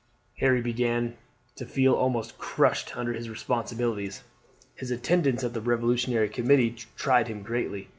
Harry began to feel almost crushed under his responsibilities. His attendance at the Revolutionary Committee tried him greatly.